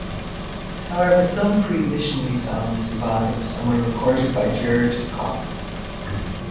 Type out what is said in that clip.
However some pre-missionary songs survived and were recorded by Gerd Koch.